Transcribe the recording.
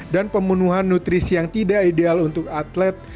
dan pemenuhan nutrisi yang tidak ideal untuk atlet